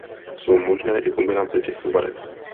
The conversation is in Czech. Jsou možné i kombinace těchto barev.